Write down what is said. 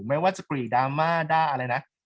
ไม่ว่าจะกรีดราม่าด้าอะไรนะ